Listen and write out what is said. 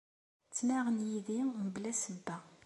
Ttnaɣen yid-i mebla ssebba.